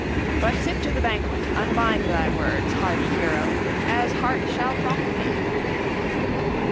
But sit to the banquet, unbind thy words, hardy hero, as heart shall prompt thee."